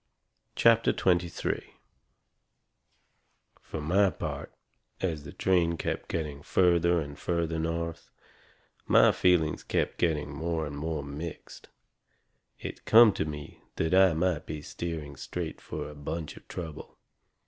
CHAPTER XXIII Fur my part, as the train kept getting further and further north, my feelings kept getting more and more mixed. It come to me that I might be steering straight fur a bunch of trouble.